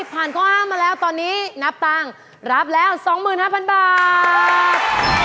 ผ่านค้างห้ามาแล้วตอนนี้นับปลังรับแล้ว๒๕๐๐๐บาท